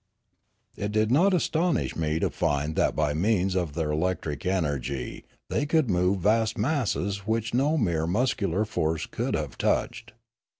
It did not astonish me to find that by means of their electric energy they could move vast masses which no. mere muscular force could have touched.